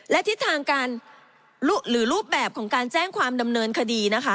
และทิศทางการหรือรูปแบบของการแจ้งความดำเนินคดีนะคะ